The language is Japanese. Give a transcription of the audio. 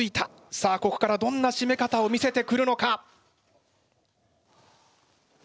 さあここからどんなしめ方を見せてくるのか？